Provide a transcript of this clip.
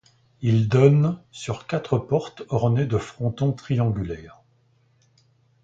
Il donne sur quatre portes ornées de frontons triangulaires.